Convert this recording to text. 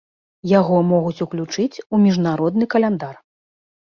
Яго могуць уключыць у міжнародны каляндар.